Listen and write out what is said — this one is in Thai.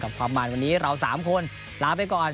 ความมันวันนี้เรา๓คนลาไปก่อน